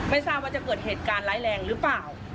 ไม่ทราบว่าจะเกิดเหตุการณ์ร้ายแรงหรือเปล่า